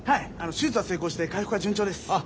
手術は成功して回復は順調です。